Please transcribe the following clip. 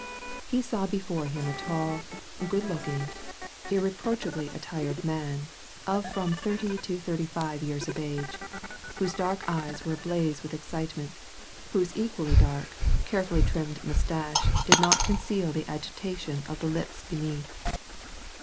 He saw before him a tall, good looking, irreproachably attired man of from thirty to thirty five years of age, whose dark eyes were ablaze with excitement, whose equally dark, carefully trimmed moustache did not conceal the agitation of the lips beneath.